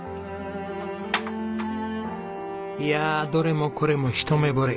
いやどれもこれも一目惚れ。